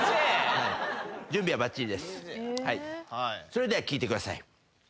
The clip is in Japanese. それでは聞いてください。